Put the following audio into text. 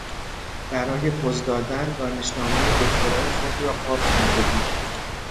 برای پز دادن دانشنامهی دکتری خود را قاب کرده بود.